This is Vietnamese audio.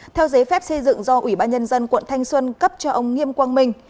theo giấy phép xây dựng do ủy ban nhân dân quận thanh xuân cấp cho ông nghiêm quang minh